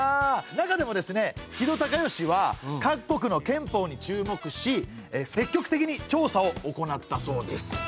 中でもですね木戸孝允は各国の憲法に注目し積極的に調査を行ったそうです。